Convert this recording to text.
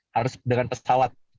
harus dengan pesawat